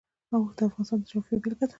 اوښ د افغانستان د جغرافیې بېلګه ده.